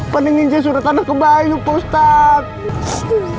peningin jahat surat tanah ke bayu pak ustadz